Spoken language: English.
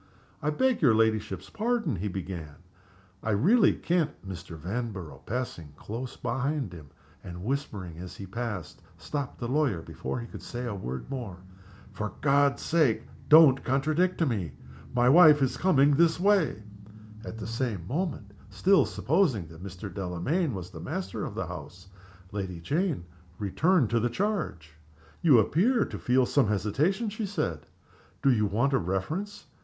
"I beg your ladyship's pardon," he began. "I really can't " Mr. Vanborough passing close behind him and whispering as he passed stopped the lawyer before he could say a word more. "For God's sake, don't contradict me! My wife is coming this way!" At the same moment (still supposing that Mr. Delamayn was the master of the house) Lady Jane returned to the charge. "You appear to feel some hesitation," she said. "Do you want a reference?"